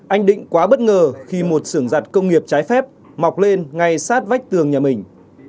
anh định quá bất ngờ khi một xưởng giặt công nghiệp trái phép mọc lên ngay sát vách tường nhà mình